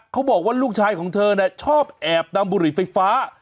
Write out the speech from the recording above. เขาบอกว่าลูกชายของเธอชอบแอบนำบุหรี่ไฟฟ้า